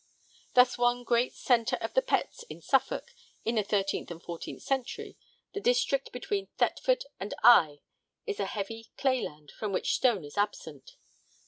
Thus one great centre of the Petts in Suffolk in the 13th and 14th centuries, the district between Thetford and Eye, is a heavy clayland from which stone is absent.